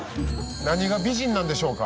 何が美人なんでしょうか？